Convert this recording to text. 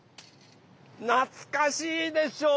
なつかしいでしょ？